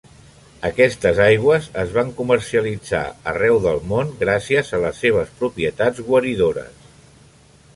Aquestes aigües es van comercialitzar arreu del món gràcies a les seves propietats guaridores.